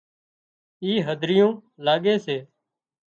اِي هڌريون لاڳي سي